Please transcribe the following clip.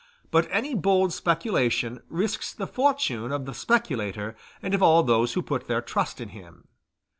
But any bold speculation risks the fortune of the speculator and of all those who put their trust in him.